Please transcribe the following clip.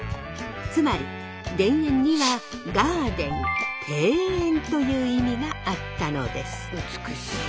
つまり田園にはという意味があったのです。